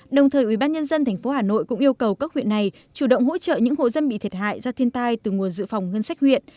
đồng thời ubnd tp hà nội cũng yêu cầu các huyện này chủ động hỗ trợ những hộ dân bị thiệt hại do thiên tai từ nguồn dự phòng ngân sách huyện